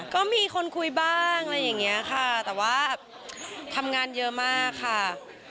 ก็มีคนคุยบ้างอะไรอย่างนี้ค่ะแต่ว่าทำงานเยอะมากค่ะ